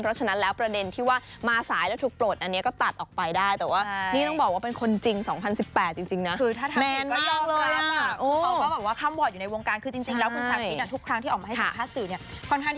เพราะฉะนั้นแล้วประเด็นที่ว่ามาสายแล้วถูกปลดอันนี้ก็ตัดออกไปได้แต่ว่านี่ต้องบอกว่าเป็นคนจริง๒๐๑๘จริงนะ